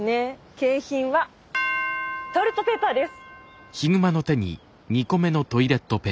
景品はトイレットペーパーです。